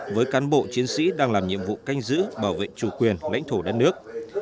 với cán bộ chiến sĩ đang làm nhiệm vụ canh giữ bảo vệ chủ quyền lãnh thổ đất nước